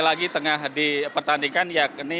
lagi tengah dipertandingkan yakni